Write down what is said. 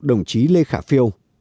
đồng chí lê khả phiêu